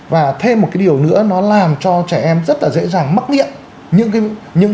và thêm một cái điều nữa nó làm cho trẻ em rất là dễ dàng mắc nghiện